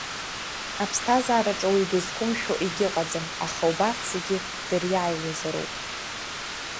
Аԥсҭазаараҿы уаҩ дызқәымшәо егьыҟаӡам, аха убарҭ зегьы дыриааиуазароуп…